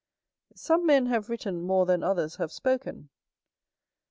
Some men have written more than others have spoken.